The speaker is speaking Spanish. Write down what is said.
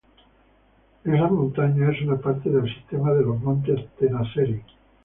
Estas montaña es una parte del sistema de las Montes Tenasserim.